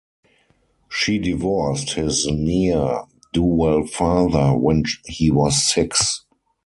She divorced his ne'er-do-well father when he was six.